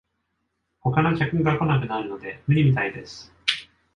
他の客が来なくなるので無理みたいです